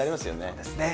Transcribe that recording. そうですね。